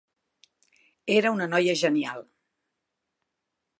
Era una noia genial.